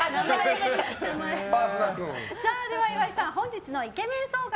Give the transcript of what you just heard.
では、岩井さん本日のイケメン総括